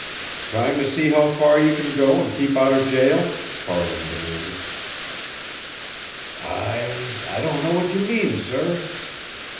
"Trying to see how far you can go and keep out of jail?" Farland demanded. "I I don't know what you mean, sir."